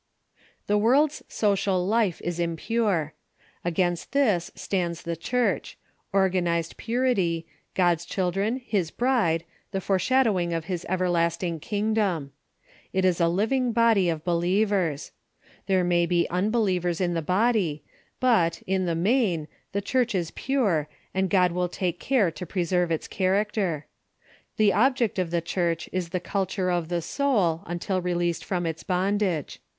The world's social life is impure. Against this stands the Church — organized purity, God's children, his bride, the fore shadowing of his everlasting kingdom. It is a ''°'ch"u^rch ^^^ ^^^"^S T^ody of believers. There^may be unbe lievers in the body, but, in the main, the Church is pure, and God will take care to preserve its character. The object of the Church is the culture of the soul, until released from its bondage.